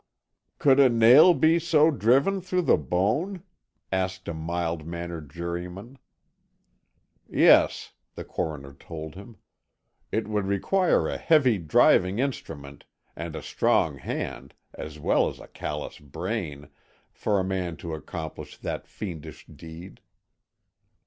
"Could a nail be so driven, through the bone?" asked a mild mannered juryman. "Yes," the coroner told him. "It would require a heavy driving instrument, and a strong hand, as well as a callous brain, for a man to accomplish that fiendish deed."